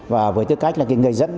và với tư cách là người dẫn